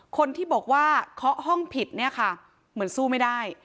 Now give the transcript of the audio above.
คนที่บอกว่าเคาะห้องผิดเนี่ยค่ะเหมือนสู้ไม่ได้